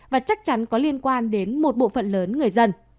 và chắc chắn có liên quan đến một bộ phận lớn người dân